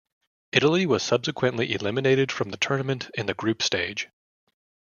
Italy were subsequently eliminated from the tournament in the group stage.